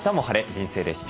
人生レシピ」。